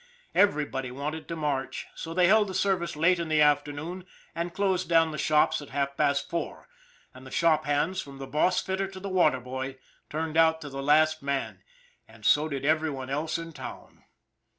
Everybody wanted to march, so they held the service late in the afternoon and closed down the shops at half past four : and the shop hands, from the boss fitter to the water boy, turned out to the last man and so did every one else in town.